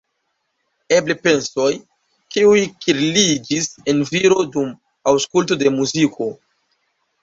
Eble pensoj, kiuj kirliĝis en viro dum aŭskulto de muziko.